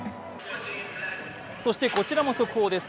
そしてこちらも速報です。